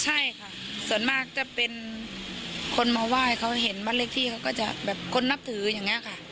ใช่ค่ะส่วนมากจะเป็นคนมาไหว้เขาเห็นบ้านเลขที่เขาก็จะแบบคนนับถืออย่างนี้ค่ะ